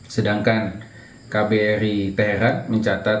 sedangkan kbri perak mencatat